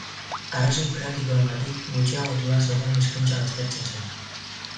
Arrazoi praktikoengatik gutxiagotua zegoen hizkuntza baztertzen zen.